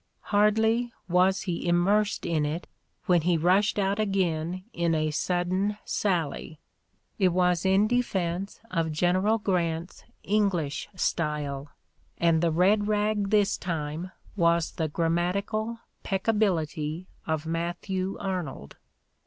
Hardly was he immersed in it when he rushed out again in a sudden sally. It was in defense of General Grant's English style, and the red rag this time was the grammatical peccability of Matthew Arnold.